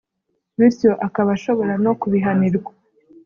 bityo akaba ashobora no kubihanirwa